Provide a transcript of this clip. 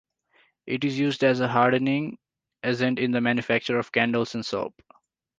It is used as a hardening agent in the manufacture of candles and soap.